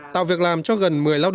tạo việc làm cho gần một mươi lần